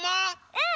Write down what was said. うん！